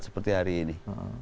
seperti hari ini